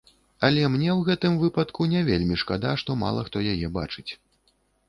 Але мне ў гэтым выпадку не вельмі шкада, што мала хто яе бачыць.